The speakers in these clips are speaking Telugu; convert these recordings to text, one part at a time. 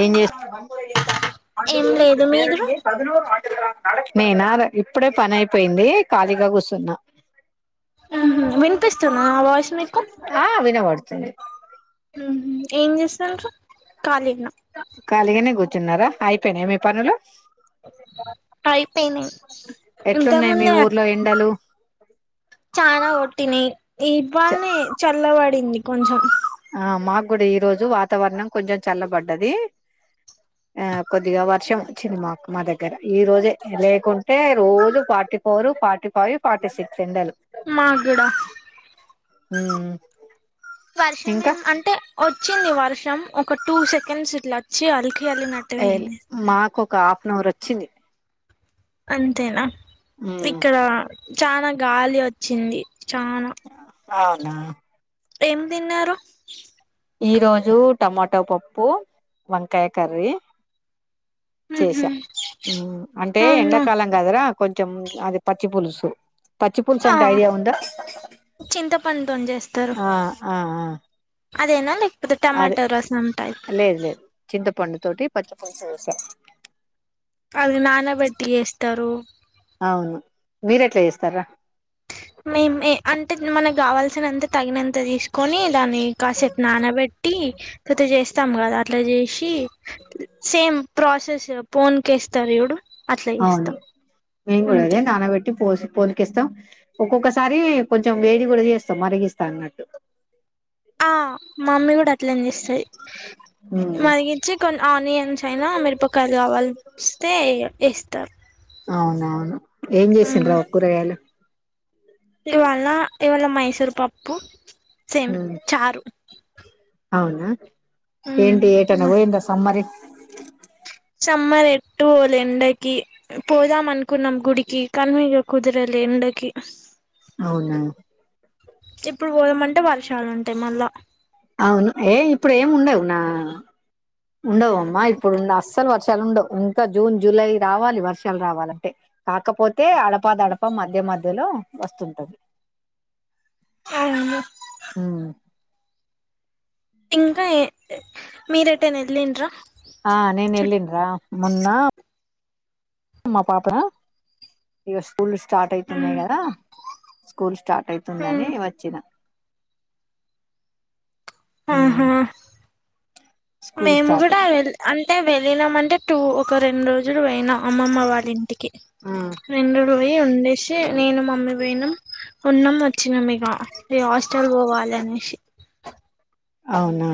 ఏం జేస్త్ ఏం లేదు మీరు నేనా ఇప్పుడే పనైపోయింది ఖాళీగా కూస్సున్నా ఉ విన్పిస్తుదా నా వాయిస్ మీకు ఆ వినవడ్తుంది ఉహు ఏం చేస్సాన్రు ఖళీన ఖళీగనే కూర్చున్నారా అయిపోనయ మీ పనులు అయిపోయినై ఇంత ఎట్లున్నాయి మీ ముందే ఐ ఊర్లో ఎండలు చనా కొట్టినై ఇవాల్నే చల్లబడింది కొంచెం ఆ మాగ్గూడా ఈరోజు వాతావర్ణం కొంచెం చల్లబడ్డధీ ఆ కొద్దిగా వర్షం వచ్చింది మాకు మా దగ్గర ఈరోజే లేకుంటే రోజు forty four forty five forty six ఎండలు మాగ్గూడ ఉమ్ ఇంకా వర్షమేం అంటే ఒచ్చింది వర్షం ఒక టూ సెకండ్స్ ఇట్లా అచ్చి అల్కి ఎళ్ళిన ఎల్ మాకొక హాఫ్ అన్ అవర్ ఒచ్చింది అంతేనా ఉమ్, ఇక్కడ చానా గాలి వచ్చింది చానా ఔనా ఏం తిన్నారు ఈరోజు టమాటో పప్పు వంకాయ కర్రీ చేసా అంటే అవునా ఎండాకాలం కదరా కొంచెం అది పచ్చి పులుసు పచ్చిపులుసు ఆ అంటే ఐడియా ఉందా చింతపండుతోని ఆ ఆ ఆ అదేనాండి అదే లేదు లేదు చింతపండు తోటి పచ్చి పులుసు చేసా అది నానబెట్టి వేస్తారు అవును మీరెట్లా చేస్తారా మే మే అంటే మనకు గావాల్సినంత తగినంత తీసి కొని దాన్ని కాసేపు నానబెట్టి అట్ట చేస్తాం కదా అట్లా చేసి సేమ్ ప్రాసెస్ ఫోన్ కేస్తారు జూడు అవును మేం గూడ అదే నానబట్టి పోసాం పోన్కేస్తం ఒక్కొక్కసారి కొంచెం వేడి కూడా చేస్తాం మరిగిస్తా అన్నట్టు ఆ మమ్మీ కూడా అట్లనే చేస్తాది మ్ మరిగించి కొన్నీ ఆనియన్స్ అయినా మిరపకాయలు కలవాల్సి వస్తే ఏస్తారు అవునా ఏం చేసిండ్రూ ఒ [unintelligible] కూరగాయలు ఇవాల్నా ఇవాళ మైసూర్ పప్పు సేమ్ ఉమ్ చారు ఔనా ఏంటి ఏటన్న పోయింద సమ్మరి సమ్మర్ ఏట్టు పొల్లె ఎండకి పోదాం అనుకున్నాం గుడికి కన్విగా కుదరలే ఎండకి అవునా ఇప్పుడు పోదామంటే వర్షాలుంటాయి మళ్ళా అవును ఏ ఇప్పుడు ఏం ఉండవు నా ఉండవు అమ్మా ఇప్పుడు అస్సలు వర్షాలు ఉండవు ఇంకా జూన్ జులై రావాలి వర్షాలు రావాలంటే కాకపోతే అడపా దడప మధ్య మధ్యలో వస్తుంటాయ్ అవునండి ఆమ్ ఇంకా ఏ మీరూ ఏటేన్న ఎల్లిరా ఆ నేను ఎల్లిన్రా మోన్న మా పాప ఇకా స్కూల్ స్టార్ట్ అయితున్నాయి గదా ఉమ్ స్కూల్ స్టార్ట్ అయితుందని వచ్చినా ఉమ్ ఆహా స్కూల్ మేము స్టార్ట్ కూడా అయి వె అంటే వెళ్ళినాం అంటే టూ ఒక రెండు రోజులు జుజురు పోయినాం అమ్మమ్మ వాళ్ళ ఇంటికి ఉమ్ రెండు రోయి వదిలేసి నేను మమ్మీ పోయినం ఉన్నాం వచ్చినాం ఇగ ఈ హాస్టల్ పోవాలి అనేసి అవునా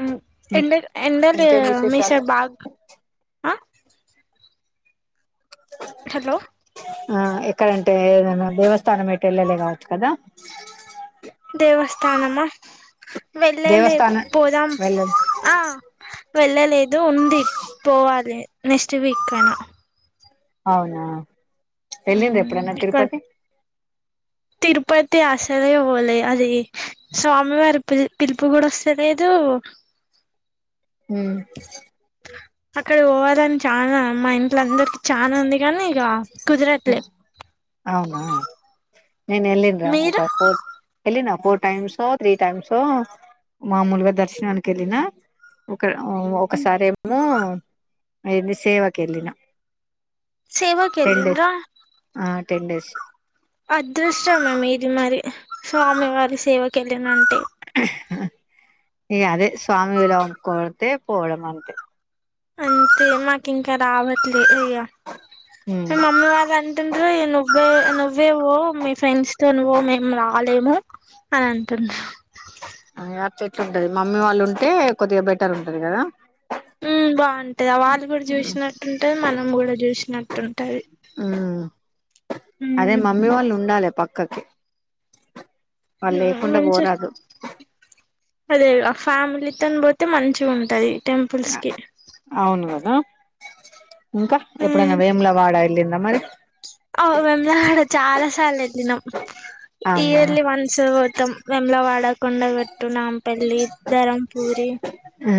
ఉమ్ ఇం- ఎండ ఎండలు లేదా ఇంకేం మీ విశేషాలు సైడ్ బాగా [inaudible] హలో ఆ ఎక్కడంటే ఏదన్న దేవస్థానం వెళ్ళలే [unintelligible] కదా దేవస్థానమా వెళ్ళలేదు దేవస్థానం పోదాం వెళ్ళ ఆ వెళ్ళలేదు ఉంది పోవాలి నెక్స్ట్ వీక్కు అన్నా అవునా ఎల్లిండ్రా ఎప్పుడనా ఇక్కడ తిరుపతి తిరుపతి అసలే పోలే అది స్వామి వారి పి పిలుపు కూడా వస్తా లేదు ఉ అక్కడ పోవాలని చానా మా ఇంట్ల అందరికి చానా ఉంది కానీ ఇక కుదరట్లే అవునా నేను వెళ్ళీన్రా ఒక మీరు ఫోర్ట్ వెళ్ళిన ఫోర్ టైమ్సో త్రీ టైమ్సో మామూలుగా దర్శనానికి వెళ్ళిన ఒక ఒకసారెమో ఏంది సేవకి వెళ్ళిన సేవ టెన్ డేస్ ఆ టెన్ డేస్ అదృష్టం ఇది మరి స్వామి వారి సేవకి వెళ్ళిన అంటే ఇగా అదే స్వామి విలు కోడితే పోవడం అంతే అంతే మాకు ఇంకా రావట్లేదు ఇగ ఉ మా మమ్మీ వాళ్ళు అంటుంన్రు నువ్వే నువ్వే వ్వో మీ ఫ్రెండ్స్ తో నువ్వు మేము రాలేము అ అంటుడ్రు ఆ అట్లా ఎట్ల ఉంటది మమ్మీ వాళ్ళు ఉంటే కొద్దిగా బెటర్ ఉంటది కదా ఉమ్ బాగుంటది వాళ్ళు కూడా చూసినట్టుంటది మనం కూడా చూసినట్టు ఉమ్ ఉమ్ అదే మమ్మీ వాళ్ళు ఉండాలి పక్కకి వాళ్ళు లేకుండా పోరాదు అదేగా ఆ ఫ్యామిలీతోని పోతే మంచిగా ఉంటది టెంపుల్స్ కి అవును కదా ఇంకా ఎప్పుడైనా వేములవాడ వెళ్ళిండ్రా మరి అ వేములవాడ చాలా సార్లు వెళ్ళినాం అవునా ఇయర్లీ వన్స్ పోతాం వేములావాడ కొండగట్టు నాంపల్లి ధరంపూరి ఉ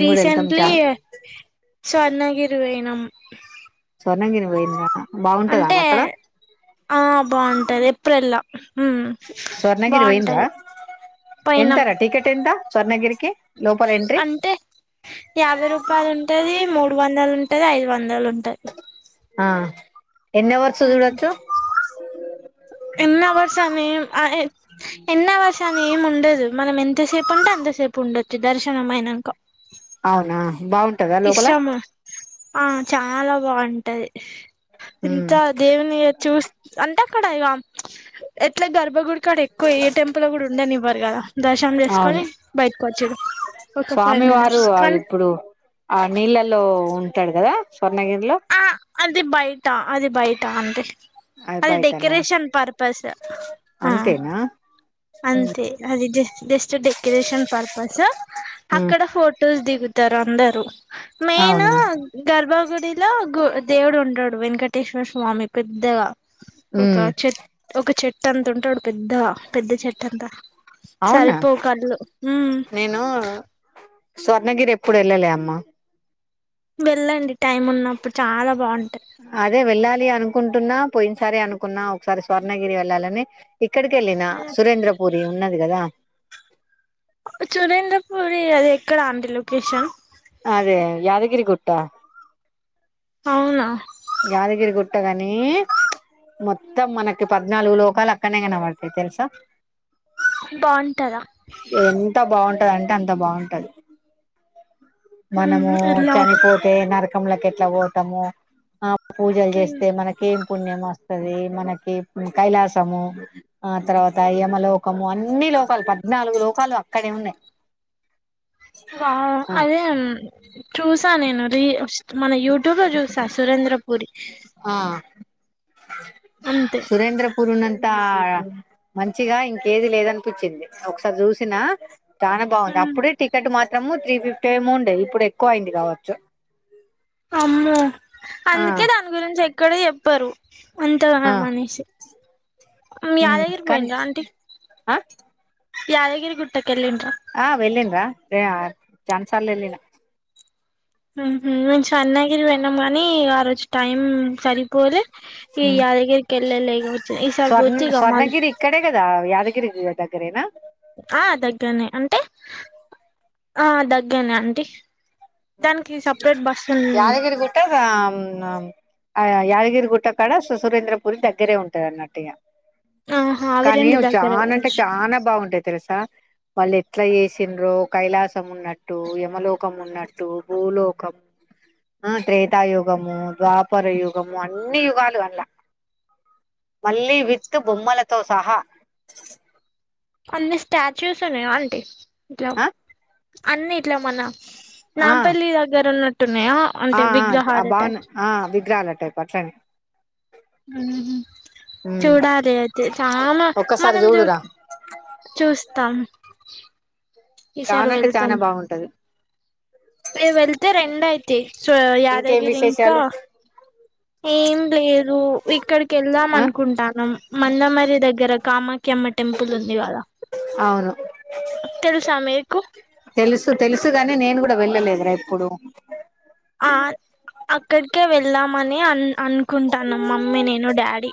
రీసెంట్లీ స్వర్ణగిరి పోయినాం స్వర్ణగిరి పోయింరా అంటే ఆ బాగుంటది ఏప్రిల్లో స్వర్ణగిరి పోయిన్రా పోయినాం ఎంతార టికెట్ ఎంత స్వర్ణగిరికి లోపల ఎంట్ర్రి అంటే యాభై రూపాయలు ఉంటది మూడు వందలు ఉంటది ఐదు వందలు ఉంటది ఆ ఎన్ని ఆవర్స్ ఉమ్ చూడోచ్చు ఎన్ని హౌర్స్ అని ఎం ఎన్ని హౌర్స్ అని ఏం ఉండదు మనం ఎంతసేపు అంటే అంతసేపు ఉండొచ్చు దర్శనం అయినాక అవునా బాగుం ఇష్టమా ఆ చాలా బాగుంటది ఉమ్ ఎంతా దేవుని ఇగ చూస్త్ అంటే అక్కడ ఇగా ఎట్లా గర్భగుడి కాడ ఎక్కువ ఏ టెంపుల్ కూడా ఉండనివ్వరు కదా దర్శనం చేసుకొని అవును బయటకు వచ్చుడు ఒక ఫైవ్ స్వామి వారు మినిట్స్ అది కానీ ఇప్పుడు ఆ నీళ్ళలో ఉంటాడు కదా స్వర్ణగిరిలో ఆ అది బయటా అది బయటా అంతే అది డెకరేషన్ పర్పస్ ఆ అంతేనా అంతే అది జ జస్ట్ డెకరేషన్ పర్పస్ ఉమ్ అక్కడ ఫొటోస్ దిగుత తారందరు మెయిను అవునా గర్భగుడిలో గు దేవుడు ఉంటాడు వెంకటేశ్వర స్వామి పెద్దగా ఒక ఉమ్ చెట్ ఒక చెట్టు అంత ఉంటాడు పెద్దగా పెద్ద చెట్టు అంతా సరిపోవు కళ్ళు హ్మ్ నేనూ స్వర్ణగిరి ఎప్పుడు వెళ్ళలే అమ్మ వెళ్ళండి టైమ్ ఉన్నప్పుడు చాలా బాగుంటా అదే వెళ్ళాలి అనుకుంటున్నా పోయినసారి అనుకున్నా ఒకసారి స్వర్ణగిరి వెళ్ళాలని ఇక్కడికి వెళ్ళిన సురేంద్ర పూరి ఉన్నది కదా చురేంద్ర పూరి అది ఎక్కడా అంటి లొకేషన్ అదే యాదగిరి గుట్ట అవునా యాదగిరి గుట్టగనీ మొత్తం మనకి పద్నాలుగు లోకాలు అక్కనే కనపడతాయి తెలుసా బాగుంటదా ఎంత బాగుంటదంటే అంత బాగుంటది మనము ఉమ్ ఎలా చనిపోతే నరకంలోకి ఎట్లా పోతామో పూజలు ఉమ్ చేస్తే మనకి ఏం పుణ్యం వస్తది మనకి ఇప్పుడు కైలాసము ఆ తర్వాత యమ లోకము అన్ని లోకాలు పద్నాలుగు లోకాలు అక్కడే ఉన్నాయి వావ్ ఆ అదే చూసా నేను రిస్ మన యూట్యూబ్ లో చూసా సురేంద్ర పురి ఆ అంతే సురేంద్రపురి ఉన్నంత తా మంచిగా ఇంకేది లేదనిపించింది ఒకసారి చూసినా చానా బాగుంది అప్పుడే టికెట్ మాత్రము త్రీఫిఫ్టీ ఎమో ఉండేది ఇప్పుడు ఎక్కువయింది కావచ్చు అమ్మో ఆ అందుకే దాని గురించి ఎక్కడ చెప్పరు ఆ అంతగానమ్ అనేసి మ్ యాదగిరి కానీ పోయిన్రా అంటిీ ఆ యాదగిరి గుట్టకి ఏళ్లిన్ర ఆ వెళ్ళిన్రా [unintelligible] చానా సల్ వెల్లిన మ్ హు మేమ్ స్వర్నగిరి వెళ్ళినం కాని ఆ రోజు టైం సరిపోలే ఈ యాదగిరి కెళ్ళలే వచె ఈసారి పో త్రే ఇగ మళ్ళ అక్కడే కదా యాదగిరికి దగ్గరేనా ఆ దగ్గరనే అంటే ఆ దగ్గరనే అంటీ దానికి సపరేట్ బస్ ఉన్ కదా [unintelligible] ఆ యాదగిరిగుట్ట కాడ సు సురేంద్రపురి దగ్గరే ఉంటది అన్నట్టు ఇగ ఆహా అవి రెండు కానీవు దగ్గర చాన అంటే కావచ్చు చానా బాగుంటాయి తెలుసా వాళ్ళు ఎట్లా చేసిన్రో కైలాసం ఉన్నట్టు యమలోకం ఉన్నట్టు టు భూలోకం ఆ త్రేతా యుగము ద్వాపర యుగము అన్ని యుగాలు అన్లా మళ్ళీ విత్ బొమ్మలతో సహా అన్ని స్టాచ్యూస్ ఉన్నాయా అంటీ ఇట్లా ఆ అన్ని ఇట్లా మన ఆ నాంపల్లి దగ్గర ఉన్నట్టున్నాయా ఆ అంటే ఆ విగ్రహాలు బావున్నా టైప్ ఆ విగ్రహాల టైప్ అట్లండి ఉమ్ హు ఉమ్ చూడాలి అయితే చాలా ఒక్కసారి మనం చూ చూడురా చూస్తాం ఈసారి చానా అంటే చానా బాగుంటది రేప్ వెళ్తే రెండు అయితయి సో ఇంకేం యాదగిరి ఇంకా విశేషాలు ఏం లేదు ఇక్కడికెళ్దాం ఆ అనుకుంటానమ్ మందమర్రి దగ్గర కామాక్యమ్మ ట్ టెంపుల్ ఉంది గదా అవును తెలుసా మీకు తెలుసు తెలుసు గనీ నేను గూడ వెళ్ళలేదురా ఎప్పుడు ఆ అక్కడికే వెల్దామని అన్ అను కుంటాన్నాం మమ్మీ, నేను, డాడీ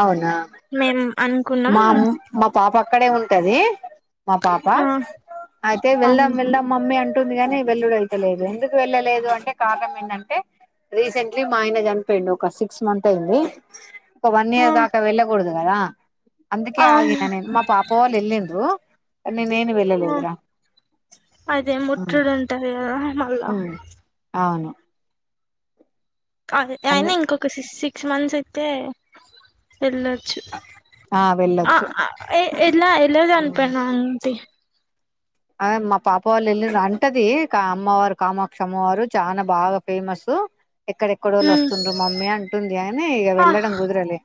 అవునా మేం అనుకున్ మా అమ్ మా పాప అక్కడే ఉంటది మా పాప ఆ అయితే వెల్దం అవును వెల్దం మమ్మీ అంటుంది గని వెల్లుడయితలేదు ఎందుకు వెళ్ళలేదు అంటే కారణం ఏంటంటే రీసెంట్లీ మా ఆయన జనిపోయిండు ఒక సిక్స్ మంత్ అయింది ఒక వన్ ఆ ఇయర్ దాకా వెళ్ళ గూడదు గదా అందుకే అవును ఆగిన నేన్ మా పాప వాళ్ళు వెళ్ళిన్రు కని నేను ఆ వెళ్ళలేదురా అదే ఉమ్ ముట్టుడు ఉంటది కదా మళ్ళా ఊమ్ అవును అదే అందు అయినా ఇంకొక సిస్ సిక్స్ మంత్స్ అయితే వెళ్ళొచ్చు ఆ ఆ వెళ్ళొచ్చు అ ఏ ఎలా ఎలా జనిపోయిండు ఆంటి అదె మా పాప వాళ్ళు వెళ్ళిర్రు అంటది కా అమ్మవారు కామాక్ష అమ్మవారు చానా బాగా ఫేమస్ ఎక్కడెక్కడోల్లో ఉమ్ వస్తుండ్రు మమ్మీ అంటుంది అయిన ఇగ ఆ వెళ్ళడం కుదరలే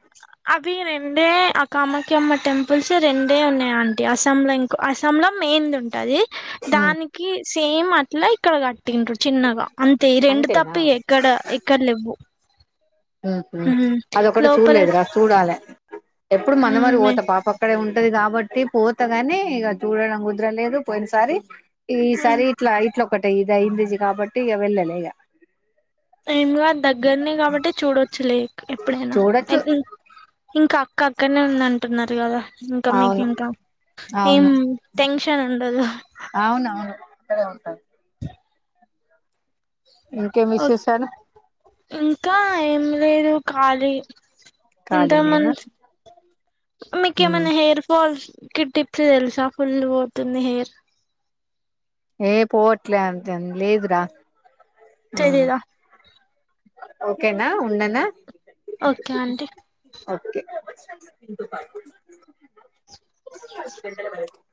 అవి రెండే ఆ కామాక్యమ్మ టెంపుల్స్ రెండే ఉన్నయాంటి అస్సాం ల ఇంక్ అసాం లొ మెయిన్ది ఉంటది దానికి సేమ్ అట్ల ఇక్కడ కట్టిండ్రు చిన్నగా అంతే ఈ రెండు అంతేనా తప్ప ఎక్ ఇక్కడ ఎక్కడ లేెవ్వు ఉమ్ హు అదొకటి లోపల చూడ్లేదురా చూడాలే ఎప్పుడు మందమర్రి ఉమ్ బోత పాపక్ ఇక్కడే ఉంటది గాబట్టి పోతగనీ ఇగ చూడడం కుదరలేదు పోయినసారి ఈసారి ఇట్లా ఇట్ల ఒకటి ఇది అయింది గాబట్టి ఇగ వెళ్ళాలే ఇగ ఎం గాద్ దగ్గరనే గాబట్టి చూడొచ్చులే ఎప్పుడైనా ఎ చూడొచ్చు ఉమ్ ఇంక అక్క అక్కన్నే ఉందంటున్నరు గదా ఇంక అవును మీకింకా ఏం అవును టెన్షన్ ఉండదు అవునవును అక్కడే ఉంటది ఇంకేమ్ విశేశాలు ఇంకా ఏం లేదు ఖాళీ ఇంత ఖాళీనేనా మంచ్ ఉమ్ మీకేమైనా హెయిర్ ఫాల్స్ టిప్ టిప్ చి తెలుసా ఫుళ్ళు వోతుంది హేర్ ఏ పోవట్లే అంటాండ్ లేదురా ఉమ్ తెలీదా ఓకేనా ఉండనా ఓకే ఆంటీ ఓకే